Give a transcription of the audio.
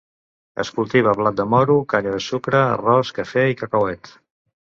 Es cultiva blat de moro, canya de sucre, arròs, cafè i cacauet.